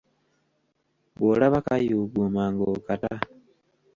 Bw’olaba kayuguuma ng'okata.